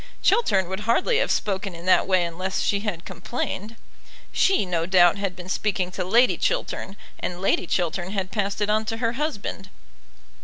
Chiltern would hardly have spoken in that way unless she had complained. She, no doubt, had been speaking to Lady Chiltern, and Lady Chiltern had passed it on to her husband.